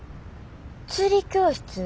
釣り教室？